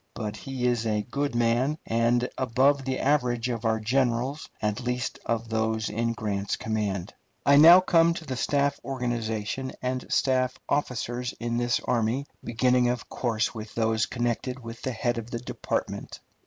But he is a good man, and above the average of our generals, at least of those in Grant's command. I now come to the staff organization and staff officers of this army, beginning, of course, with those connected with the head of the department.